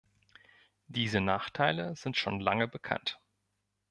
Diese Nachteile sind schon lange bekannt.